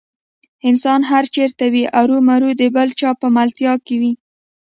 انسان هر چېرته وي ارومرو د بل چا په ملتیا کې وي.